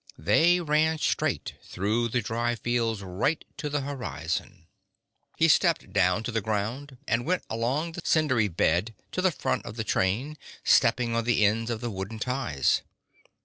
They ran straight, through the dry fields, right to the horizon. He stepped down to the ground, went along the cindery bed to the front of the train, stepping on the ends of the wooden ties.